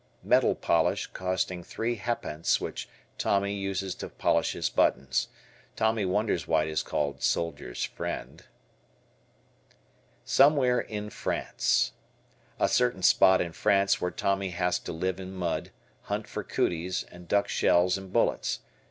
Metal polish costing three ha' pence which Tommy uses to polish his buttons. Tommy wonders why it is called "Soldiers' Friend." "Somewhere in France." A certain spot in France where Tommy has to live in mud, hunt for "cooties," and duck shells and bullets.